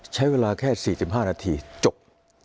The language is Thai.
ใช้เวลาแค่๔๕นาทีจบ